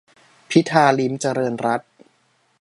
- พิธา ลิ้มเจริญรัตน์